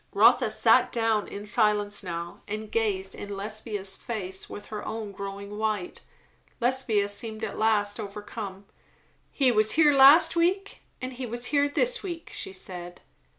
Rotha sat down, in silence now, and gazed in Lesbia's face with her own growing white. Lesbia seemed at last overcome. "He was here last week, and he was here this week," she said.